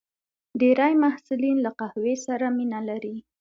ډېری محصلین له قهوې سره مینه لري.